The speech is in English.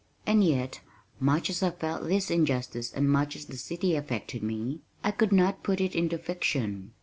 And yet, much as I felt this injustice and much as the city affected me, I could not put it into fiction.